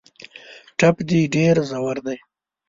ټپ دي ډېر ژور دی .